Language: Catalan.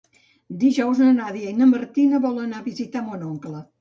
Dijous na Nàdia i na Martina volen anar a visitar mon oncle.